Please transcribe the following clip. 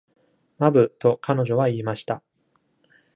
マブ、と彼女は言いました。